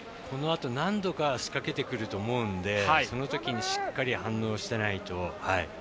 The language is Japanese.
このあと何度か仕掛けてくると思うのでそのときにしっかり反応してないと。